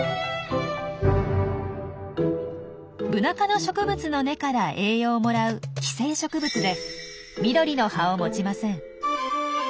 ブナ科の植物の根から栄養をもらう「寄生植物」で緑の葉を持ちません。